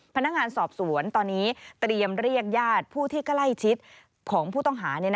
พนักงานสอบสวนตอนนี้เตรียมเรียกญาติผู้ที่ใกล้ชิดของผู้ต้องหา